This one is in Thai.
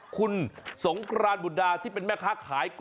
คุณสงกรานบุตดาที่เป็นแม่ค้าขาย